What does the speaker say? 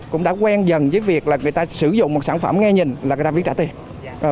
cũng đã quen dần với việc là người ta sử dụng một sản phẩm nghe nhìn là người ta viết trả tiền